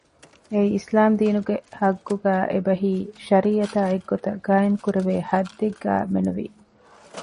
އެއީ އިސްލާމް ދީނުގެ ޙައްޤުގައި، އެބަހީ: ޝަރީޢަތާ އެއްގޮތަށް ޤާއިމު ކުރެވޭ ޙައްދެއްގައި މެނުވީ